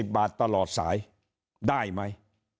๑๐บาทตลอดสายได้ไหม